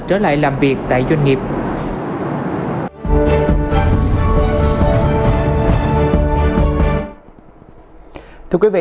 trở lại làm việc tại doanh nghiệp